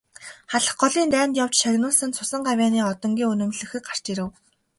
Халх голын дайнд явж шагнуулсан цусан гавьяаны одонгийн нь үнэмлэх гарч ирэв.